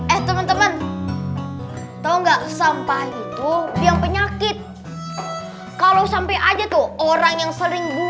eh teman teman tahu enggak sampah itu yang penyakit kalau sampai aja tuh orang yang sering